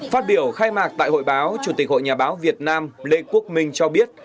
phát biểu khai mạc tại hội báo chủ tịch hội nhà báo việt nam lê quốc minh cho biết